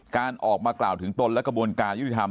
การออกมากล่าวถึงตนและกระบวนการยุติธรรม